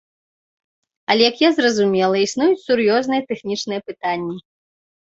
Але, як я зразумела, існуюць сур'ёзныя тэхнічныя пытанні.